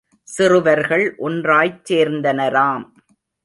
சிறுவர்கள் ஒன்றாய்ச் சேர்ந்தனராம்.